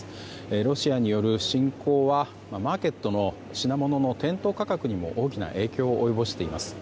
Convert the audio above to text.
ロシアによる侵攻はマーケットの品物の店頭価格にも大きな影響を及ぼしています。